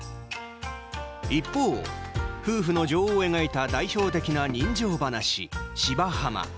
一方、夫婦の情を描いた代表的な人情ばなし、「芝浜」。